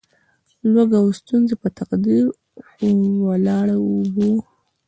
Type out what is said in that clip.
لوږه او ستونزې په تقدیر وراړوو.